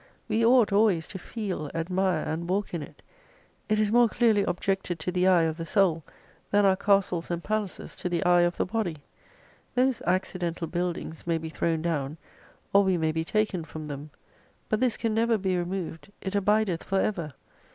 "We ought always to feel, admire, and walk in it. It is more clearly objected to the eye of the soul, than our castles and palaces to the eye of the body. Those accidental buildings may be thrown down, or we may be taken from them, but this can never be removed, it abideth for ever.